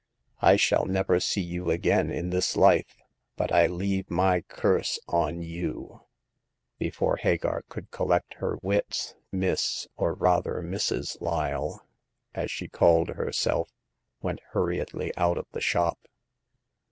I shall never see you again in this life ; but I leave my curse on you !" Before Hagar could collect her wits, Miss — or rather Mrs.— Lyle, as she called herself, went hurriedly out of the shop.